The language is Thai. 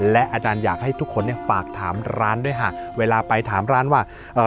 และอาจารย์อยากให้ทุกคนเนี่ยฝากถามร้านด้วยค่ะเวลาไปถามร้านว่าเอ่อ